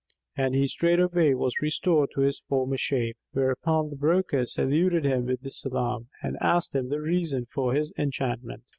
And he straightway was restored to his former shape; whereupon the broker saluted him with the salam and asked him the reason of his enchantment.